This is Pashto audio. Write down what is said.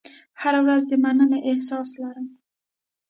هره ورځ د مننې احساس لرم.